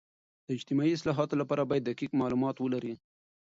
د اجتماعي اصلاحاتو لپاره باید دقیق معلومات ولري.